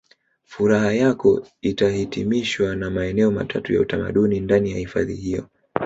Furaha yako itahitimishwa na maeneo matatu ya utamaduni ndani ya hifadhi hiyo